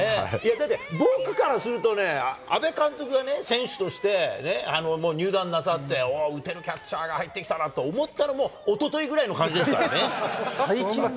だって、僕からするとね、阿部監督が選手としてね、もう入団なさって、打てるキャッチャーが入ってきたなと思ったのも、おとといぐらい最近だ。